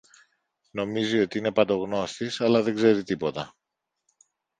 Νομίζει ότι είναι παντογνώστης, αλλά δεν ξέρει τίποτα!